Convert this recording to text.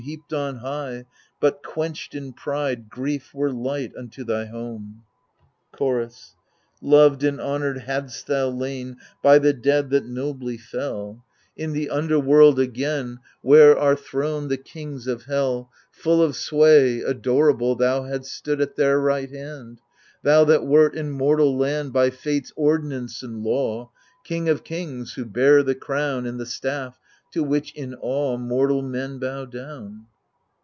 Heaped on high ; but, quenched in pride. Grief were light unto thy home. Chorus Loved and honoured hadst thou iain By the dead that nobly fell, H 98 THE LIBATION BEARERS In the under world again, Where are throned the kings of hell, Full of sway, adorable Thou hadst stood at their right hand — Thou that wert, in mortal land. By Fate's ordinance and law, King of kings who bear the crown And the staff, to which in awe Mortal men bow down.